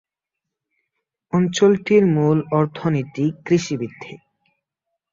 অঞ্চলটির মূল অর্থনীতি কৃষিভিত্তিক।